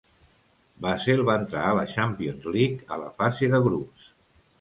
Basel va entrar a la Champions League a la fase de grups.